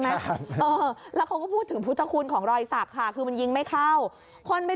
ใช่ไหมแล้วเขาก็พูดถึงพุทธคูณของรอยสักค่ะคือมัน